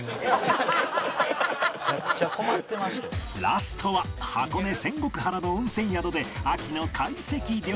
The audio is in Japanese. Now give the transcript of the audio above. ラストは箱根仙石原の温泉宿で秋の懐石料理